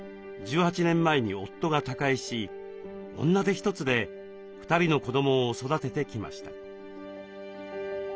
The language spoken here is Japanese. １８年前に夫が他界し女手一つで２人の子どもを育ててきました。